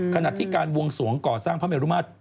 ขณะที่การบวงสวงก่อสร้างพระเมรุมาตร